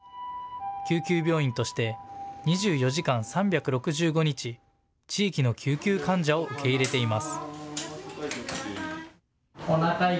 救急病院として２４時間３６５日、地域の救急患者を受け入れています。